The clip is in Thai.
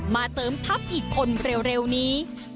มาเสริมทัพอีกคนเร็วนี้